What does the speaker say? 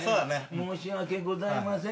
申し訳ございません。